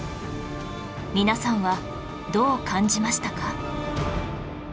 皆さんはどう感じましたか？